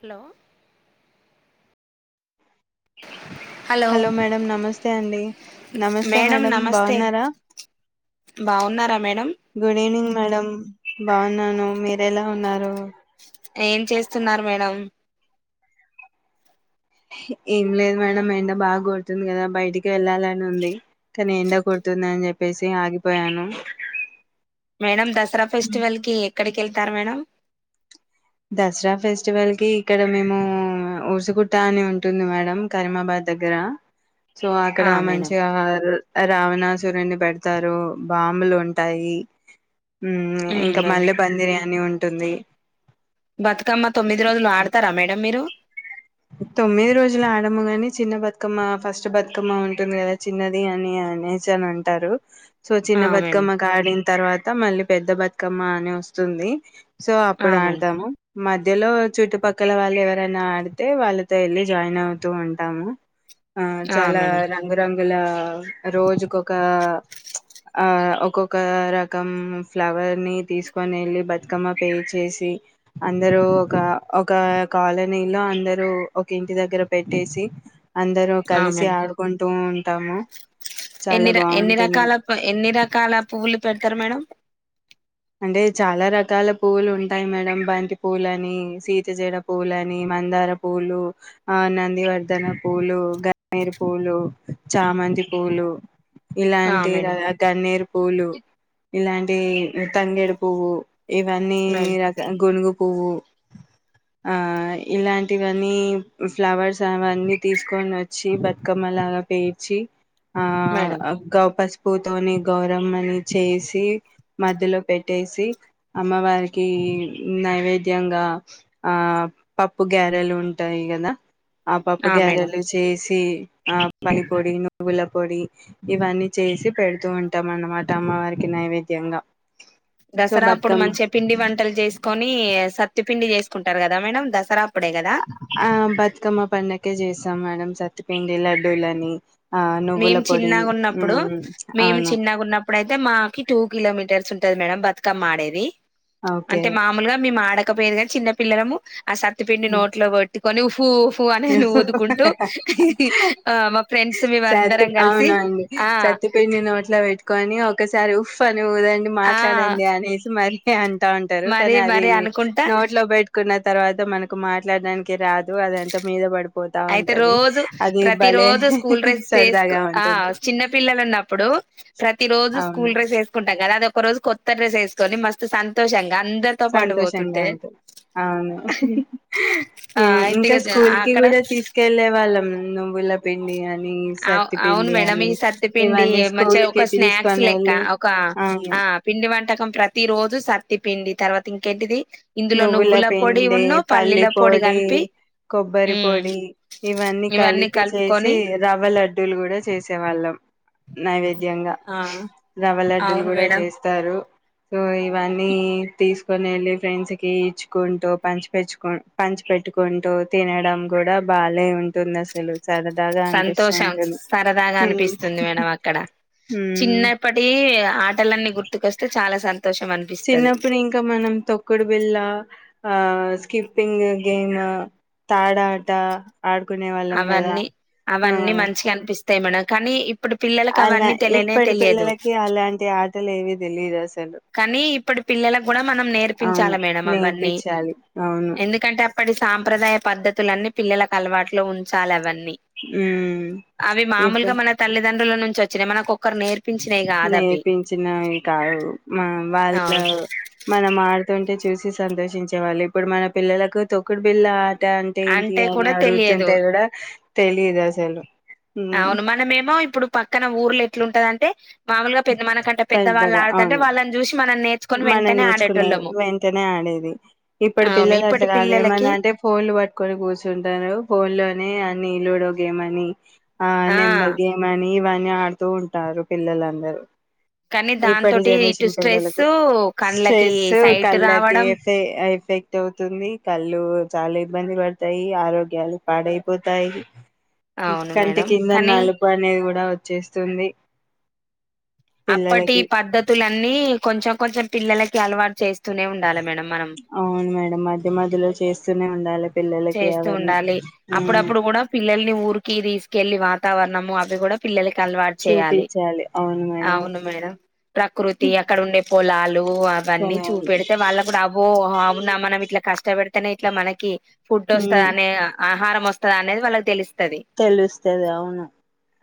Hello hello madam నమస్తే అండి నమస్తే మేడం బాగున్నారా బాగున్నారక్ గుడ్ ఈవినింగ్ మేడం బాగున్నాను మీరు ఎలా ఉన్నారు ఏం చేస్తున్నారు మేడం ఏం లేదు మేడం ఎండ బాగా కొడుతుంది కదా బయటికి వెళ్ళాలని ఉంది కానీ ఎండ కొడుతుంది అని చెప్పేసి ఆగిపోయాను మేడం దసరా ఫెస్టివల్కి ఎక్కడికి వెళ్తారు మేడం దసరా ఫెస్టివల్ కి ఇక్కడ మేము ఉ ఊరుసుగుట్ట అని ఉంటుంది మేడం కరీమాబాద్ దగ్గర సో అక్కడ ఆ మేడం మంచిగా రావణాసురుని పెడతారు బాంబులు ఉంటాయి మ్మ్ ఇంకా మేడం మల్లే పందిరి అన్ని ఉంటుంది బతుకమ్మ తొమ్మిది రోజులు ఆడతారా మేడం మీరు తొమ్మిది రోజులు ఆడమ్ము గాని చిన్న బతుకమ్మ ఫస్ట్ బతుకమ్మ ఉంటుంది కదా చిన్నది అని అనేచీ అని అంటారు సో ఆ చిన్న మేడం బతుకమ్మకు కాడిన తర్వాత అ మళ్ళీ పెద్ద బతుకమ్మ అని వస్తుంది సో ఆ అప్పుడు మేడం ఆడతాము మధ్యలో చుట్టుపక్కల వాళ్ళు ఎవరైనా ఆడి అయితే వాళ్ళతో వెళ్లిి జాయిన్ అవుతూ ఉంటాము ఆ చాలా రంగురంగు లా రోజుకు ఒక ఒకకా ఆ ఒక్కొక్క రకం ఫ్లవర్ ని తీసుకొని వెళ్ళి బతుకమ్మ పే చేేసి అందరు ఒక ఒక కాలనీలో అందరు హ్మ్ ఒక ఇంటి దగ్గర పెట్టేసి అందరూ ఆ కలిసి మేడం ఆడుకుంటూ ఉంటాము చాలా ఎన్ని ర ఎన్ని బాగుంటుంది రకాల ఎన్ని రకాల పువ్వులు పెడతారు మేడం అంటే చాలా రకాల పూలు ఉంటాయి మేడం బంతి పూలని సీతజేడ పూలని మందార పూలు ఆ నందివర్ధన పూలు గన్నేరీ పూలు చామంతి పూలు ఆ ఇలాంటి ర మేడం గన్నీరు పూలు ఇలాంటి ''తంగేడు పువ్వు'' ఇవన్నీ మేడం రక గునుగు పువ్వు ఆ ఇలాంటివన్నీ ఫ్లవర్స్ అవన్నీ తీసుకొని వచ్చి ''బతుకమ్మలాగా'' పేర్చి ఆ మేడం గపాస్ ప్పుతోని గౌరమ్మని చేసి మధ్యలో పెట్టేసి అమ్మవారికి నైవేద్యంగా ఆ పప్పు గారెలు ఉంటాయి కదా ఆ పప్పు గారెలు చేసి ఆ పలి పొడి నువ్వుల పొడి ఇవన్నీ చేసి పెడుతూ ఉంటాం అన్నమాట అమ్మవారికి నైవేద్యంగా సో దసరా అప్పుడు బతుకమ్మ మంచిగా పిండి వంటలు చేసుకొని సత్తి పండి చేసుకుంటారు కదా మేడం దసరా అప్పుడే కదా ఆ బతుకమ్మ పన్నకే చేసి మేడం సత్పిండి లడ్డూలని ఆ నువ్వుల మేము పొడి చిన్నగా ఉన్నప్పుడు మ్మ్ మేము అవును చిన్నగా ఉన్నప్పుడు అయితే మాకి టూ కిలోమీటర్ ఉంటది మేడమ్ బతుకమ్మ ఆడేది ఓకే అంటే మామూలుగా మేమడ ఆడ ఇక్క పేరుగాద చిన్న పిల్లము ఆ సత్తిపిండి నోట్ లో బట్టి కొని హహూ అనేను ఊదుకుంటూ ఆ మా ఫ్రెండ్స్ సత్తు అందరం కలిసి అవునండి ఆ సత్తు పిండిని నోట్ల పెట్టుకొని ఒకస ఉఫ్ నువ్వుదండి ఆ మాట్లాడండి అనేసి మరి అండి అంట ఉంటారు మరి కానీ అది మరి అనుకుంటా నోట్ లో పెట్టుకున్న తర్వాత మనకు మాట్లాడడానికి రాదు అదంతే త మీద పడి అయితే రోజు ప్రతి రోజు స్కూల్ డ్రెస్ వేసుకు సరదాగా ఆ ఉంటుంది చిన్న పిల్లలు ఉన్నప్పుడు ప్రతి రోజు స్కూల్ అవును డ్రెస్ వేసుకుంటాం కదా అద ఒక రోజు కొత్తడ్రెస్ వేసుకొని మస్త్ సంతోషంగా అందరితో పాటు సంతోషంగా పోతుంటే ఉంటుంది అవును ఆ అయితే ఇంకా కదా స్కూల్ కి అక్కడ కూడా తీసుకెళ్ళే వాళ్ళం నువ్వుల పిండి అని అవు సత్తి అవును పిండి మేడం ఈ అని సత్తిపిండి ఇవన్నీ మంచిగా ఒక స్కూల్కి స్నాక్స్ తీసుకొని లెక్క వెళ్ళి ఒక అవును ఆ పిండి వంటకం ప్రతి రోజు సర్తి పిండి తర్వాత ఇంకేంటిది ఇందులో నువ్వుల పొడి పిండి ఉన్ను పల్లి పల్లీల పొడి కలిపి కొబ్బరి ఉమ్ పొడి ఇవన్నీ కలిపి చేసి రవ్వ లడ్డూలు కూడా చేసే వాళ్ళం నైవ ధ్యంగా ఆ రవ లడ్డులు అవును కూడా మేడం చేస్తారు సో ఇవన్నీ తీసుకొని వెళ్ళి ఫ్రెండ్స్ కి ఇచ్చుకుంటూ పంచి పెచ్చుకు పంచి పెట్టుకుంటూ తినడం కూడా బాాలే ఉంటుంది అసలు సరదాగా అనిపిస్తూ సంతోషం ఉంటుంది సరదాగా అనిపిస్తుంది మేడం అక్కడ ఉమ్ చిన్నప్పటి ఆటలన్నీ గుర్తుకొస్తే చాలా స చిన్నప్పుడు ఇంకా మనం తొక్కుడు బిల్ళ ఆ స్కిప్పింగ్ గేమ్ తాడా ఆట అవన్నీ అవన్నీ మంచిగా అనిపిస్తా మన కానీ ఇప్పుడు పిల్లలకి అలా అవన్నీ తెలియనే ఇప్పటి తెలియదు పిల్లలకి అలాంటి ఆటలు ఏవ తెలీదు అసలు కానీ ఇప్పుడు పిల్లలకు కూడా మనం నేర్పించాలి అవును మేడం అవన్నీ నేర్పించాలి అవును ఎందుకంటే ఇప్పడి సాంప్రదాయ పద్ద్దతులన్నీ పిల్లలకు అలవాటులో ఉంచాలి అవన్నీ ఉమ్ వి అవి ఇప్పు మామూలుగా మన తల్లిదండ్రుల నుంచి వచ్చిన మనకుక్కరు నేర్ నేర్పించినవి కా ఆ వాళ్ళు మనం ఆడుతుంట అంటే చూసి సంతోషించే వాళ్ళు ఇప్పుడు మన పిల్లలకు తొకుడు బిల్ల అంటే అంటే ఏంటి అని కూడా తెలియదు అడుగుతుంటే కూడా తెలిదా సలు అవును మనమేమో ఇప్పుడు పక్కన ఊర్లు ఎట్లుంటంది అం టే మామూలుగా పెద్ద మనకంటే పెదవులు పెద్దగా ఆడుతాంటే అవును వాళ్ళని చూసి మనని నే మనం నేర్చుకునేది వెంటనే ఆడేది ఇప్పుడు అవును పిల్లల అట్ ఇప్పటి కాదు పిల్లలకి ఏమన్నా అంటే ఫోన్లు పట్టుకొని కూర్చుంటారు ఫోన్ లోనే అన్ని లూడో గేమ్ అని ఆ నెంబర్ గేమ్ అని ఇవ ఆడుతూ ఉంటారు పిల్లలందరూ కానీ దా ఇప్పటి తటి ఇటు జనరేషన్ స్ట్రెస్ పిల్లలకు కండ్లకి స్ట్రెస్ సైట్ కళ్ళకి రావడం ఎఫ ఎఫెక్ట్ అవుతుంది కళ్ళు చాలా ఇబ్బంది పడతాయి ఆరోగ్యాలు పాడైపోతాయి అవును కంటి మేడం కింద కానీ నాలుగు అనేది కూడా చేస్తుంది అప్పటి పద్ధతులు న్నీ కొంచెం కొంచెం పిల్లకి అలవాటు చేస్త అవును మేడం మధ్య మధ్యలో చేస్తూనే ఉండాలి పిల్లలకి చేస్తూ అవన్నీ ఉండాలి ఉమ్ అప్పుడప్పుడు కూడా పిల్లల్ని ఊరికి తీసుకెళ్ళలి వాత వాతావరణము అవి కూడా పిల్లలకి అలవాటు చేయాలి చూపించాలి అవును మేడం అవును మేడం ప్రకృతి అక్కడ ఉండే పొలాలు ఓ అవన్నీ చూప కొనాలి పెడితే వాళ్ళ కూడా అవో అవున్నా మనం ఇట్లా కష్టపడి కానీ ఇట్లా మనకి ఫుడ్ వస్తది ఉమ్ అని ఇగ ఆ ఆహారం వస్తుంది అనేది వాళ్ళకి తెలుస్తు తెలుస్తది అవును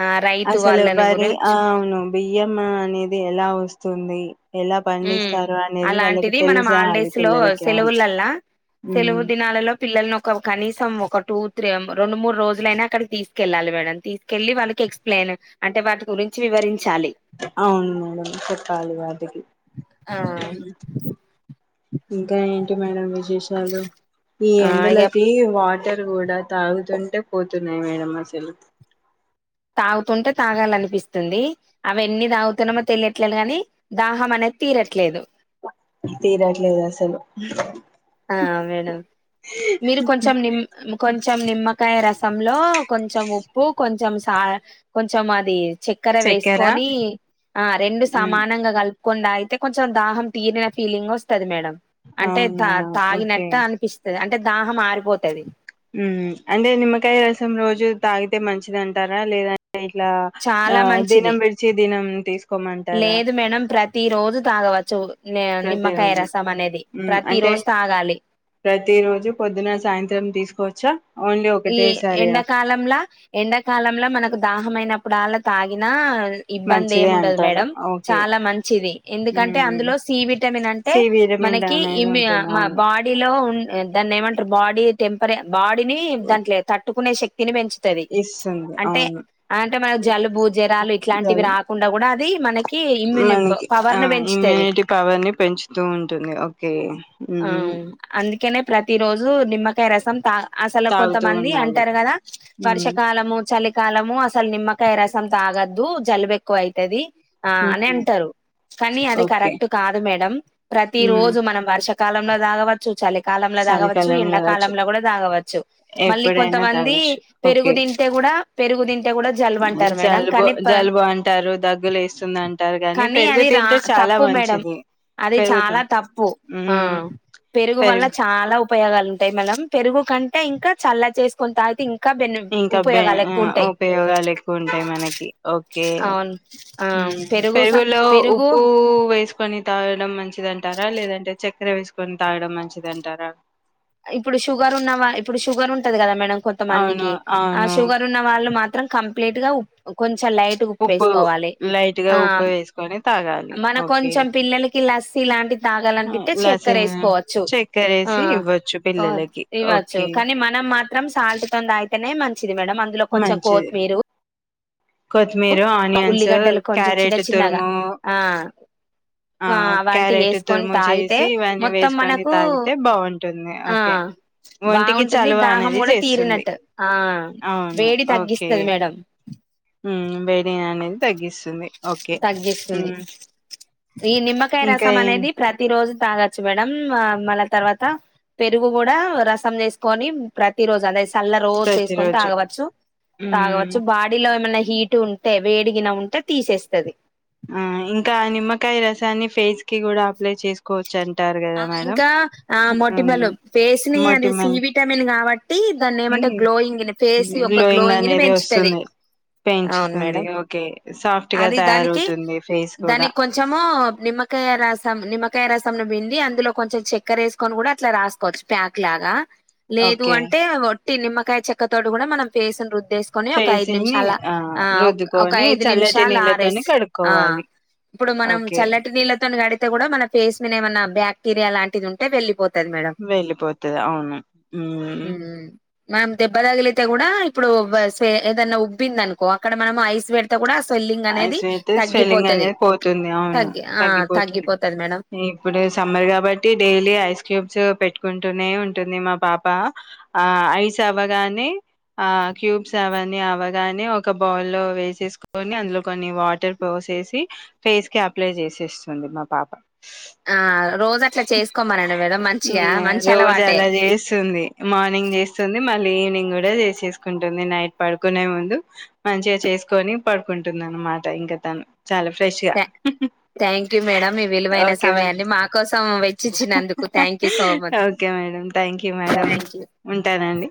ఆ రైతు అసలు వాళ్ళని బరి గురి ఆ అవును బియ్యం అనేది ఎలా వస్తు వస్తుంది ఎలా ఉమ్ పండిస్తారు అనేది వాళ్ళకి అలాంటిది మనం తెలిసాలి హాలిడేస్ లో పిల్లలకి అవును సెలవులల్లా సెలవు ఉమ్ దినాలలో పిల్లల్ని ఒక కనీసం ఒక టూ త్రీ రెండు మూడు రోజులైనా అక్కడ తీసుకెళ్ళాలి మేడం తీసుకెళ్ళి వాళ్ళ ఎక్స్ప్లెయిన్ అంటే వాటి గురించి వివరించ అవును మేడం చెప్పాలి వాటికి ఆ ఇంకా ఏంటి మేడం విశేషాలు ఈ ఇగ ఎండలకి వాటి ఇద్దరు కూడా తాగుతుంటే పోతున్నాయి మేడం అసలు తాగుతుంటే తాగాలనిపిస్తుంది అవి ఎన్ని తాగుతున్నామో తెలియట్లేదు గానీ దాహం అనేది తీరట్లేదు తీరట్లేదు అసలు ఆ మేడం మీరు కొంచెం నిమ్ కొ కొంచెం నిమ్మకాయ రసంలో కొంచెం ఉప్పు కొంచెం సా కొంచెం అది చెక్కెర చక్కెర వేసుకొని ఆ రెండు సమానంగా కలుపు కొండ అయితే కొంచెం దాహం తీరిన ఫీలింగ్ వస్తుంది మేడం అవునా ఓకే ఆగినట్ట అనిపిస్త అంటే దాహం ఆరిపోతది ఉ అంటే నిమ్మకాయ రసం రోజు తాగితే మంచిదింటారా లేదా చాలా మంచిది దినం తీసుకోమంటారా లేదు మేడం ప్రతి రోజు తాగవచ్చు నే ప్రతి నిమ్మకాయ రోజు రసం అనేది ఉమ్ ప్రతి అంటే రోజు తాగాలి ప్రతి రోజు పొద్దున్న సాయంత్రం తీసుకోవచ్చా ఓన్లీ ఈ ఒకటేసారియా ఎండాకాలంలా ఎండాకాలంలా మనకు దాహమైన ప్పుడల్ల తాగినా ఇబ్బంది ఏం మంచిదే ఉండదు అంటారు మేడం ఓకే చాలా మంచిది ఎందుకంటే ఉమ్ అందులో సి విటమిన్ అంటే సి విటమిన్ మనకి అనేది ఉంటుంది ఇమ్యూని అవును బాడీలో దాన్ని ఏంటారు బాడీ టెంపరే బాడీని దాంట్లే తట్టుకునే శక్తి క్తితని పెంచుతది ఇస్తుంది అంటే అవును అంటే మన జలుబు జరాలు ఇట్లాంటివి రాకుండా కూడా అది మనకి ఇమ్యూని మనకి పవర్ ఆ ను పెంచుతుంది ఇమ్యూనిటీ పవర్ ని పెంచుతూ ఉంటుంది ఓకే ఆ ఉమ్ అందుకనే ప్రతి రోజు నిమ్మకాయ రసం త అసలు తాగుతూ కొంతమంది ఉండాలి అంటారు కదా ఉమ్ వర్షాకాలము చలి కాలము అసలు నిమ్మకాయ రసం తాగద్దు జలుబు ఎక్కువ అయితది ఆ అని ఉమ్ అంటారు కానీ అది ఓకే కరెక్ట్ కాదు మేడం ప్రతి ఉమ్ రోజు మనం వర్ష కాలంలో దాగా వచ్చు చలి కాలంలో తాగవచ్చు చలికాలంలో తాగొచ్చు ఎండాకాలంలో కూడా తాగవచ్చు మళ్ళీ ఎప్పుడైనా కొంతమంది తాగొచ్చు పెరుగు ఓకే తింటే కూడా న్న పెరుగుతిన్న కూడా జలువంటారు మేడం జలుబు కానీ జలుబు అంటారు దగ్గులు వేస్తుంది అంటారు కానీ పెరుగు అది రా తింటే చాలా తప్పు మేడం మంచిది అది పెరుగుతి చాలా తప్పు ఆ ఉమ్ పెరుగు వల్ల చాలాఉప ఉపయోగాలు ఉంటాయి మనం పెరుగు కంటే ఇంకా ఇంకా చల్లగ చేసుకోని తాగుతే ఇంకా బెన్ ఇంకా ఉప ఉపయోగాలు ఎక్కువ ఉంటాయి ఉపయోగాలు ఎక్కువ ఉంటాయి మనకి ఓకే అవును ఆ హు పెరుగు స పెరుగులో పెరుగు ఉప్పు వేసుకొని తాగడం మంచి మంచిదంటారా లేదంటే చక్కెర వేసుకొని తాగడం మంచిదంటారా ఇప్పుడు షుగర్ ఉన్నావా ఇప్పుడు షుగర్ ఉంటది కదా మేడం అవును. కొంతమందికి ఆ అవును. షుగర్ ఉన్న వాళ్ళు మాత్రం కంప్లీట్ గా ఉ కొంచెం కొంచెం లైట్గా ఉప్పు వేసుకోవాలి లైట్‌గా ఆ ఉప్పు వేసుకొని తాగాలి. మన ఓకే. కొంచెం పిల్లలకి లస్సి లాంటివి తాగాలని ఆ! పిత్తే లస్సీ చక్కర వేసుకోవచ్చు ఆ చక్కెరేసి ఇవ్వచ్చు ఓ పిల్లలకి. ఇవ్వచ్చు ఓకే. కానీ మనం మాత్రం సాల్ట్ తొనే తాగుతనే మంచి ది మేడం అందులో కొంచెం కోత్ మంచిది. మీరు కొత్తిమీర, ఆనియన్స్, ఉల్లిగడ్డలు కొంచెం చిన్న క్యారెట్ చిన్నగా తురుము ఆ ఆ అవంటివి క్యారెట్ వేసుకొని తురుము తాగితే చేసి ఇవన్నీ మొత్తం వేసుకొని మనకు తాగితే బావుంటుంది. ఆ ఓకే. ఒంటికి బాగుంటుంది చలువ దాహం అనేది కూడా చేస్తుంది. తీరినట్టు ఆ వేడి తగ్గిస్తుంది మేడం ఊ వేడి అనేది తగ్గిస్త తగ్గిస్తుంది ఈ నిమ్మకాయ ఇంకా రసం ఏం అనేది ప్రతి రోజు తాగచ్చ పెడం మళ్ళ తర్వాత పెరుగు కూడా రసం చేసుకొని ప్రతి రోజు అద చల్ల రోజ చేసుకొని ప్రతిరోజు తాగవచ్చు హ్మ్ తాగవచ్చు బాడీలో ఏమైన్నా హీటు ఉంటే వేడిగిన ఉంటే తీసేస్తుది ఆ ఇంకా నిమ్మకాయ రసాన్ని ఫేస్ కి కూడా అప్లై చేసుకోవచ్చు అంటారు ఆ కదా మేడం ఇంకా ఆ హ్మ్ మొటిమలు ఫేస్ ని అది మొటిమలకి సివిటమిన్ కాబట్టి దాన్ని ఏమంటే గ్లోయింగ్ ఫేస్ యొక్క గ్లోయింగ్ ని అనేది పెంచుతుంది వస్తుంది అవును పెంచుతుంది మేడం ఓకే సాఫ్ట్ గా అది దానికి తయారవుతుంది ఫేస్ కూడా దానికి కొంచము నిమ్మకాయ రస నిమ్మకాయ రస త బె అందులో కొంచెం చక్కర వేసుకొని కూడా అట్లా రాసుకోవచ్చు ప్యాక్ లాగా లేదు ఓకే అంటే నిమ్మకాయ చెక్కతోోడు కూడా మనం ఫేస్ద్దు సుకని ఒకఐదు ఫేస్ని ఆ రుద్దుకొని నిషాలఐదు చల్లటి నిమిషాలు నీళ్ళతోని ఆరేస్ కడుక్కోవాలి ఇప్పుడు మనం ఓకే చల్లటి నీళ్తో గడి కూడా మన ఫేస్ మీ ఏమ బాక్టీరియా ంటి ఉంటే వెళ్లిపోతుంది వెళ్ళిపోతుది అవును ఉమ్ మనం దెబ్బ తగిలితే కూడా ఇప్పుడు ఏదన్నా ఉబ్బింది అనుకో అక్కడ మనం ఐస్ పెడితే కూడా స్వెల్లింగ్ అనేది అఐస్ అయితే స్వెల్లింగ్ తగ్గిపోతది అనేది పోతుంది అవును తగ్గి ఆ తగ్గిపోతుంది తగ్గిపోతది మేడం ఇప్పుడు సమ్మర్ గా కాబట్టి డైలీ ఐ క్యబ్ పెట్టుకుంటూ ఉ అ అ అ బ వ అందులో కొన్ని వాటర్ పోసేసి ఫేస్ కి అప్లై చేసేస్తుంది మా పాప ఆ రోజు అట్లా చేసుకోమనండి మేడం మంచిగా మంచి రోజు అలవాటే అలా చేస్తుంది మార్నింగ్ చేస్తుంది మళ్ళీ ఈవినింగ్ కూడా చేసేసుకుంటుంది నైట్ పడుకునే ముందు మంచిగా చేసుకొని పడుకుంటుంది అనమాట ఇంకా తను చాలా ఫ్రెష్ గా థ్యాంక్ యూ మేడం ఈ విలువైన ఓకే మే సమయాన్ని మా కోసం వెచ్చిచ్చినందుకు thank you so much okay madam thank you madam thank you ఉంటానండి